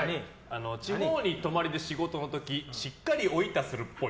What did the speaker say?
地方に泊まりで仕事の時しっかりおいたするっぽい。